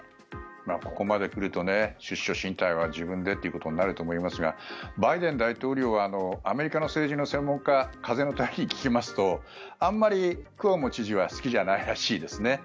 ここまで来ると出処進退は自分でということになると思いますがバイデン大統領はアメリカの政治の専門家風の便りに聞きますとあまりクオモ知事は好きじゃないらしいですね。